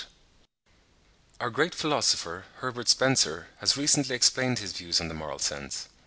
Our great philosopher, Herbert Spencer, has recently explained his views on the moral sense.